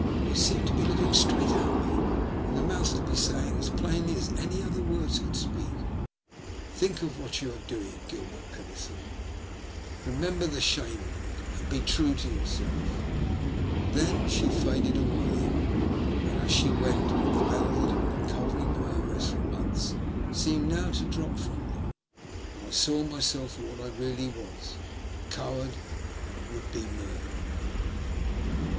It seemed to be looking straight at me, and the mouth to be say ing as plainly as any words could speak —" Think of what you are doing, Gilbert Pennethorne ; remember the shame of it, and be true to yourself." Then she faded away ; and, as she went, a veil that had been covering my eyes for months seemed now to drop from them, and I saw myself for what I really was — a coward and a would be murderer.